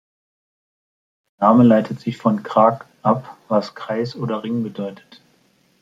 Der Name leitet sich von "krag" ab was Kreis oder Ring bedeutet.